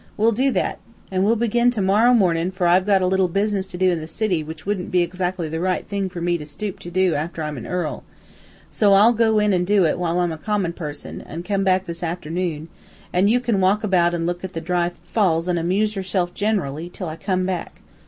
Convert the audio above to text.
We'll do that, an' we'll begin to morrow mornin', for I've got a little business to do in the city which wouldn't be exactly the right thing for me to stoop to after I'm a earl, so I'll go in an' do it while I'm a common person, an' come back this afternoon, an you can walk about an' look at the dry falls, an' amuse yourself gen'rally, till I come back.'